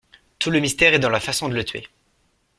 Tout le mystère est dans la façon de le tuer…